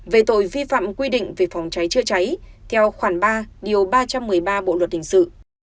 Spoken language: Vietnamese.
về tội vi phạm quy định về phòng cháy chữa cháy theo khoản ba điều ba trăm một mươi ba bộ luật hình sự